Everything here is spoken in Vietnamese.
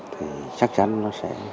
thì chắc chắn nó sẽ